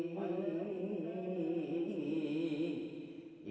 semua orang lebih jadi